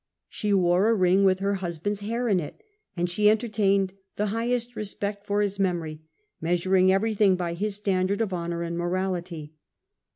She wore a ring with her husband's hair in it ; and she entertained the hi^^ hest respect for his memory, measuring everything by his standard of honour and morality.